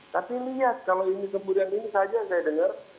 tapi lihat kalau ini kemudian ini saja saya dengar